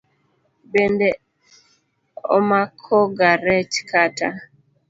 Bende omakoga rech kata?